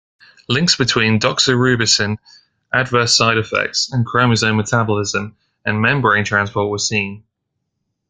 Links between doxorubicin adverse side-effects and chromosome metabolism and membrane transport were seen.